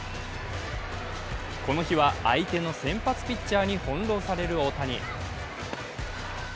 この日は相手の先発ピッチャーに翻弄される大谷。